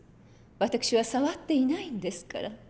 私は触っていないんですから。